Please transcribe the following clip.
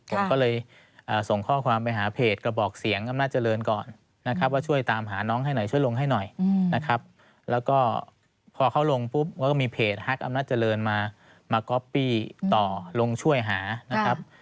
ผมก็เลยส่งข้อความไปหาเพจกระบอกเสียงอำนาจเจริญก่อนนะครับว่าช่วยตามหาน้องให้หน่อยช่วยลงให้หน่อยนะครับแล้วก็พอเขาลงปุ๊บก็มีเพจฮักอำนาจเจริญมาก๊อปปี้ต่อลงช่วยหานะครับ